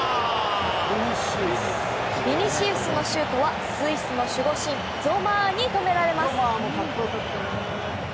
ヴィニシウスのシュートはスイスの守護神ゾマーに止められます。